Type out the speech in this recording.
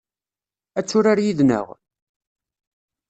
Ad turar yid-neɣ?